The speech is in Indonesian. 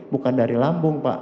bukan dari lambung pak